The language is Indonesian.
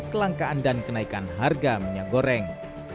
kelangkaan dan kenaikan harga minyak goreng